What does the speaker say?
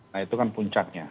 nah itu kan puncaknya